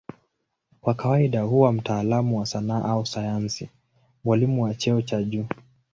Kwa kawaida huwa mtaalamu wa sanaa au sayansi, mwalimu wa cheo cha juu.